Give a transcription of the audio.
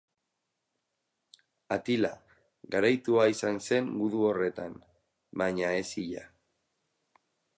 Atila, garaitua izan zen gudu horretan, baina ez hila.